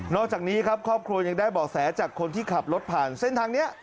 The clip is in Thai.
อกจากนี้ครับครอบครัวยังได้บอกแสจากคนที่ขับรถผ่านเส้นทางนี้